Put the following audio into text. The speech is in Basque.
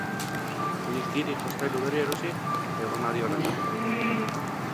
Nik hiri jostailu berria erosi? Egon hadi horretan!